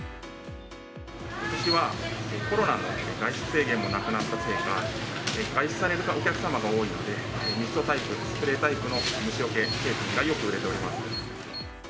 ことしはコロナの外出制限もなくなったせいか、外出されるお客様が多いので、ミストタイプ、スプレータイプの虫よけ製品がよく売れております。